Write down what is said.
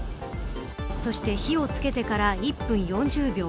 そして火をつけてから１分４０秒。